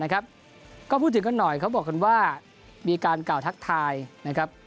ก็พูดถึงกันหน่อยเขาบอกกันว่ามีการกล่าวทักทายนะครับ